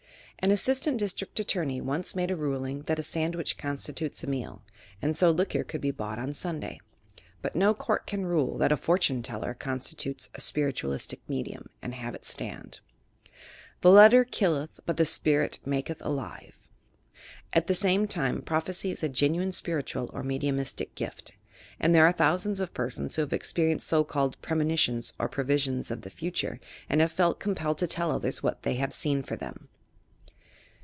'' Ad assistant district attorney once made a ruling that a sandwich constitutes a meal, and so liquor eould be bought on Sunday; but no Court can rule that a "for tune teller" constitutes a "spiritualistic medium" and have it stand; "The letter killeth, but the spirit maketh alive." At the same time Prophecy is a genuine spir itual or mediumlstic gift, and there are thousands of persons who have experienced ao called premonitions or 274 YOUR PSYCHIC POWERS prerisions of the fnttire, aod have felt compelled to tell others what they have seen for them.